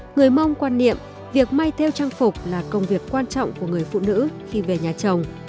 người mông quan niệm việc may theo trang phục là công việc quan trọng của người phụ nữ khi về nhà chồng